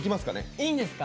いいんですか？